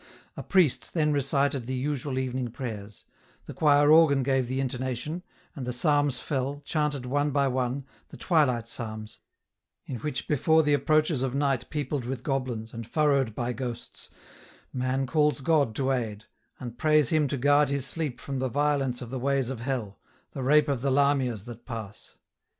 A priest then recited the usual evening prayers ; the choir organ gave the intonation, and the psalms fell, chanted one by one, the twilight psalms, in which before the approaches of night peopled with goblins, and furrowed by ghosts, man calls God to aid, and prays Him to guard his sleep from the violence of the ways of hell, the rape of the lamias that pass.